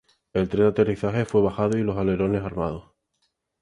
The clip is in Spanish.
El tren de aterrizaje fue bajado y los alerones armados.